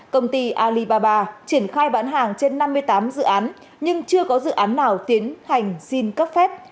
công ty alibaba triển khai bán hàng trên năm mươi tám dự án nhưng chưa có dự án nào tiến hành xin cấp phép